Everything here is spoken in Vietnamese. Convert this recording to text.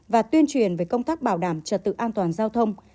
và tuyên truyền về công tác bảo đảm trật tự an toàn giao thông